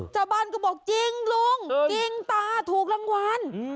ชาวบ้านก็บอกจริงลุงจริงตาถูกรางวัล